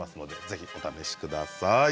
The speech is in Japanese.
ぜひお試しください。